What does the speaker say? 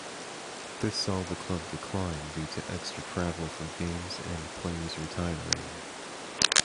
This saw the club decline due to extra travel for games and players retiring.